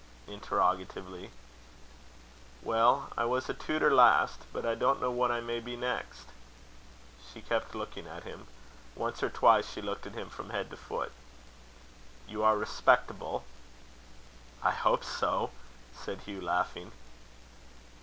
interrogatively. "Well, I was a tutor last, but I don't know what I may be next." She kept looking at him. Once or twice she looked at him from head to foot. "You are respectable?" "I hope so," said Hugh, laughing.